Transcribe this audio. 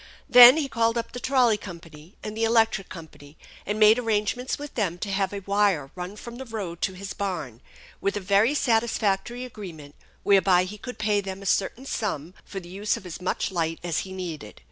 Then he called up the trolley company and the electric company, and made arrangements with them to have a wire run from the road to his barn, with a very satisfactory agreement whereby he could pay them a certain sum for the use of as much light as he needed.